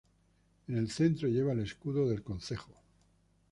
En el centro, lleva el escudo del concejo.